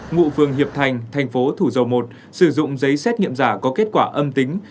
ngụ phường hiệp thành thành phố thủ dầu một sử dụng giấy xét nghiệm giả có kết quả âm tính